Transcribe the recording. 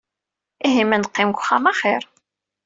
Ihi ma neqqim deg uxxam axir.